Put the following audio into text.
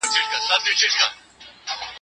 نه یې وېره له انسان وه نه له خدایه